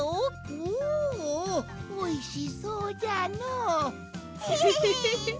おおおいしそうじゃのう。